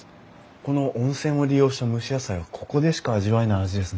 この温泉を利用した蒸し野菜はここでしか味わえない味ですね。